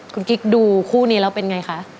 คุณกิ๊กดูคู่นี้แล้วเป็นไงคะ